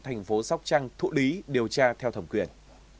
thành phố sóc trăng thụ lý điều tra theo thẩm quyền